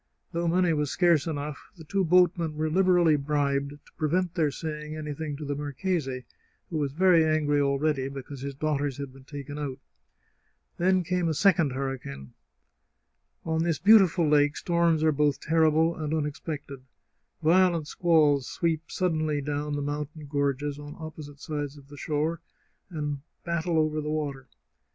Though money was scarce enough, the two boat men were Hberally bribed to prevent their saying anything to the marchese, who was very angry already because his daughters had been taken out. Then came a second hur ricane. On this beautiful lake storms are both terrible and unexpected. Violent squalls sweep suddenly down the mountain gorges on opposite sides of the shore, and battle over the water.